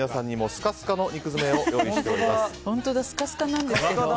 スカスカなんですけど。